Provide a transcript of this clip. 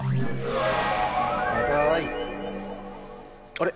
あれ？